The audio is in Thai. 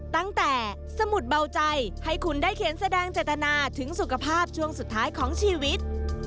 ตั้งแต่สมุดเบาใจให้คุณได้เขียนแสดงเจตนาถึงสุขภาพช่วงสุดท้ายของชีวิต